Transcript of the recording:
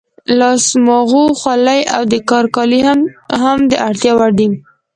لاس ماغو، خولۍ او د کار کالي هم د اړتیا وړ دي.